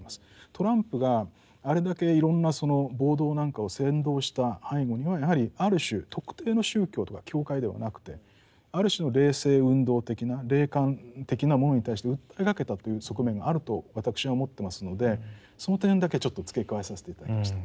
トランプがあれだけいろんなその暴動なんかを扇動した背後にはやはりある種特定の宗教とか教会ではなくてある種の霊性運動的な霊感的なものに対して訴えかけたという側面があると私は思ってますのでその点だけちょっと付け加えさせて頂きました。